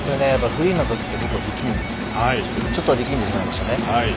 フリーのときはちょっと力んでしまいましたね。